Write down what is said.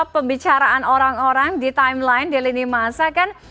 pembicaraan orang orang di timeline di lini masa kan